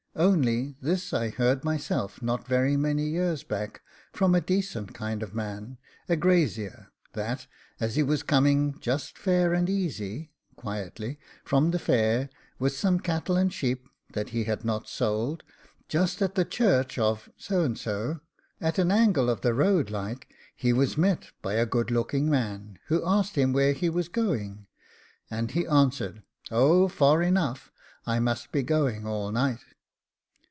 Only this I heard myself not very many years back from a decent kind of a man, a grazier, that, as he was coming just FAIR AND EASY (QUIETLY) from the fair, with some cattle and sheep, that he had not sold, just at the church of at an angle of the road like, he was met by a good looking man, who asked him where he was going? And he answered, "Oh, far enough, I must be going all night."